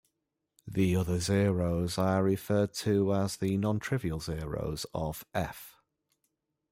The other zeroes are referred to as the non-trivial zeroes of "F".